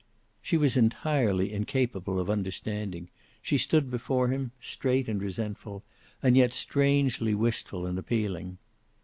She was entirely incapable of understanding. She stood before him, straight and resentful, and yet strangely wistful and appealing.